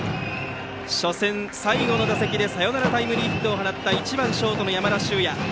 初戦、最後の打席でサヨナラタイムリーヒットを放った１番ショートの山田脩也。